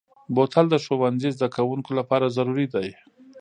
بوتل د ښوونځي زدهکوونکو لپاره ضروري دی.